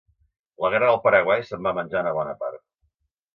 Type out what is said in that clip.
La guerra del Paraguai se'n va menjar una bona part.